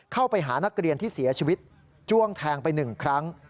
เข้าไปหานักเรียนที่เสียชีวิตจ้วงแทงไป๑ครั้ง